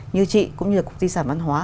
như chị cũng như cục di sản văn hóa